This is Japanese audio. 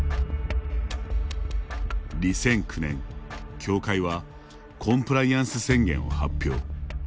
２００９年、教会はコンプライアンス宣言を発表。